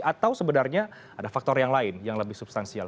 atau sebenarnya ada faktor yang lain yang lebih substansial